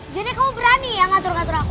jadi kamu berani ya ngatur ngatur aku